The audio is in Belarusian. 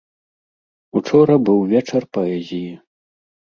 Учора быў вечар паэзіі.